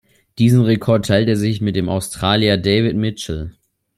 Diesen Rekord teilt er sich mit dem Australier David Mitchell.